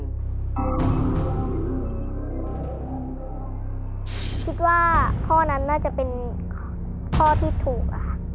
คิดว่าข้อนั้นน่าจะเป็นข้อที่ถูกอะค่ะ